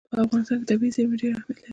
په افغانستان کې طبیعي زیرمې ډېر اهمیت لري.